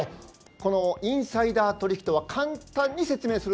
このインサイダー取引とは簡単に説明すると？